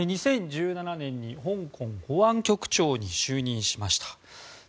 ２０１７年に香港保安局長に就任しました。